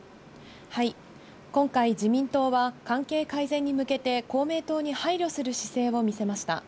今回、自民党は関係改善に向けて公明党に配慮する姿勢を見せました。